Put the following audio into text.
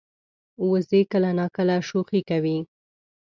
وزې کله ناکله شوخي کوي